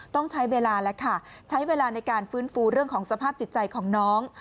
ต้องใช้เวลาแล้วค่ะใช้เวลาในการฟื้นฟูเรื่องของสภาพจิตใจของน้อง